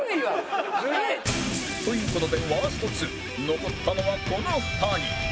という事でワースト２残ったのはこの２人